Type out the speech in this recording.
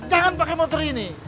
jangan pakai motor ini